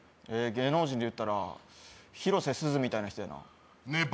芸能人で言ったら広瀬すずみたいな人やなねえ